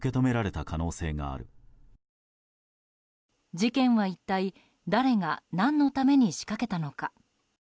事件は一体、誰が何のために仕掛けたのか。